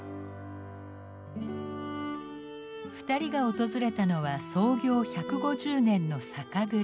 ２人が訪れたのは創業１５０年の酒蔵。